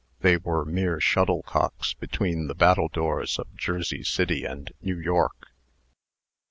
They were mere shuttlecocks between the battledoors of Jersey City and New York.